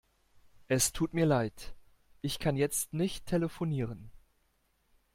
Es tut mir leid. Ich kann jetzt nicht telefonieren.